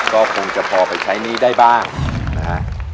ก็คงจะพอไปใช้หนี้ได้บ้างนะฮะ